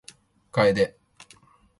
楓